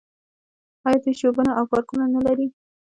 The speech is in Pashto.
آیا دوی ژوبڼونه او پارکونه نلري؟